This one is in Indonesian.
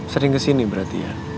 sering kesini berarti ya